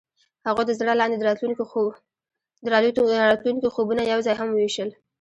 هغوی د زړه لاندې د راتلونکي خوبونه یوځای هم وویشل.